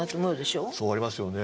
そうなりますよね。